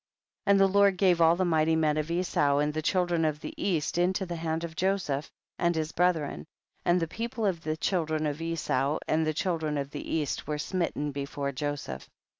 19. And the Lord gave all the mighty men of Esau and the children of the east into the hand of Joseph and his brethren, and the people of the children of Esau and the children of the east were smitten before Jo seph.